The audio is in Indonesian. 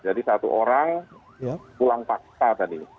jadi satu orang pulang paksa tadi